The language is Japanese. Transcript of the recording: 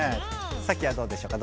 サキはどうでしょうか。